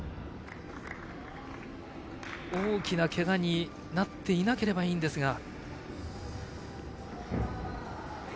大きなけがになっていなければいいんですが。